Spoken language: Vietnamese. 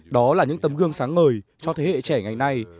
đó là những tấm gương sáng ngời cho thế hệ trẻ ngày nay